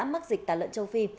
đã mắc dịch tạ lợn châu phi